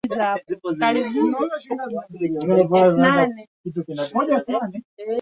homoni za kuzuia insulini zinazalishwa na plasenta